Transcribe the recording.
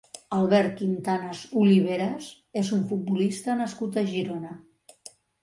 Albert Quintanas Oliveras és un futbolista nascut a Girona.